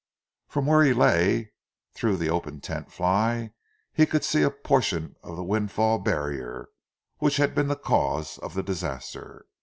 From where he lay, through the open tent fly, he could see a portion of the windfall barrier which had been the cause of the disaster.